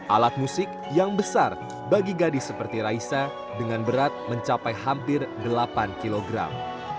alat musik yang besar bagi gadis seperti raisa dengan berat mencapai hampir delapan kilogram